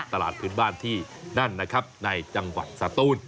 ของตลาดพื้นบ้านที่นั่นในจังหวัดสตูน